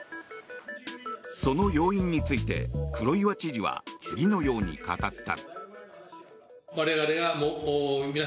その要因について黒岩知事は次のように語った。